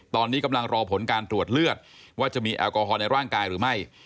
ตอนนี้กำลังรอผลการตรวจเลือดว่าจะมีแอลกอฮอลในร่างกายหรือไม่